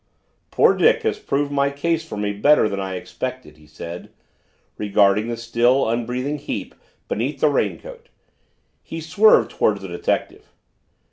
"Poor Dick has proved my case for me better than I expected," he said, regarding the still, unbreathing heap beneath the raincoat. He swerved toward the detective.